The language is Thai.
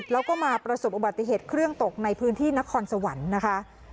แล้วก็มาประสบอุบัติเหตุเครื่องตกในพื้นที่นครสวรรค์นะคะ